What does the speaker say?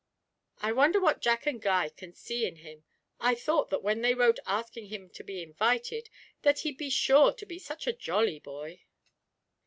'I wonder what Jack and Guy can see in him. I thought that when they wrote asking him to be invited, that he'd be sure to be such a jolly boy!'